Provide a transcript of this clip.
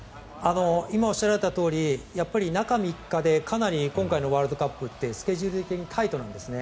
今、おっしゃられたとおり中３日でかなり今回のワールドカップってスケジュール的にタイトなんですね。